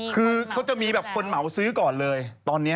คือเขาจะมีแบบคนเหมาซื้อก่อนเลยตอนนี้